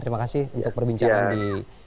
terima kasih untuk perbincangan di